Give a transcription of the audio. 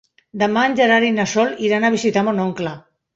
Demà en Gerard i na Sol iran a visitar mon oncle.